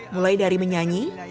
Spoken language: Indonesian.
mulai dari menyanyi